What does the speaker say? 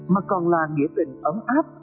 mà còn là nghĩa tình ấm áp